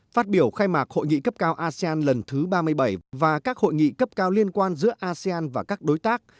phát biểu khai mạc hội nghị cấp cao asean lần thứ ba mươi bảy và các hội nghị cấp cao liên quan giữa asean và các đối tác